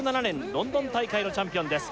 ロンドン大会のチャンピオンです